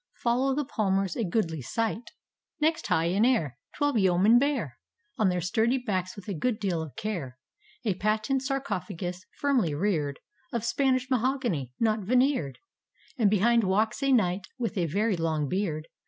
Follow the Palmers — a goodly sight; Next high in air Twelve Yeomen bear On their sturdy backs, with a good deal of care, A patent sarcophagus firmly rear'd Of Spanish mahogany (not vencer'd), And behind walks a Knight with a very long beard.